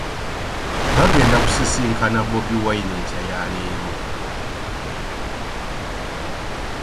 Bagenda kusisinkana Bobi Wine enkya ya leero.